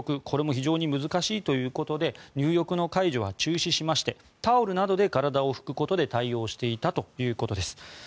これも非常に難しいということで入浴の介助は中止しましてタオルなどで体を拭くことで対応していたということです。